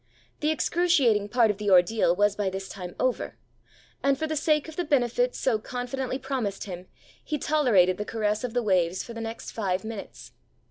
The excruciating part of the ordeal was by this time over; and, for the sake of the benefit so confidently promised him, he tolerated the caress of the waves for the next five minutes.